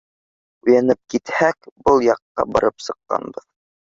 Уянып китһәк — был яҡҡа барып сыҡҡанбыҙ.